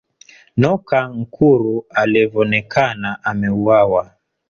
Noka nkuru alievonekana ameuwawa